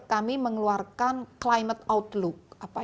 kami mengeluarkan climate outlook